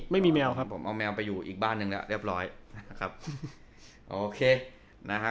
แมวครับผมเอาแมวไปอยู่อีกบ้านหนึ่งแล้วเรียบร้อยนะครับโอเคนะฮะ